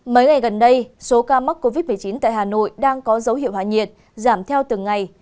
mấy ngày gần đây số ca mắc covid một mươi chín tại hà nội đang có dấu hiệu hạ nhiệt giảm theo từng ngày